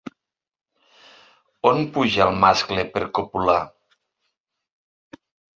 On puja el mascle per copular?